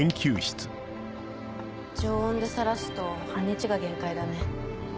常温でさらすと半日が限界だね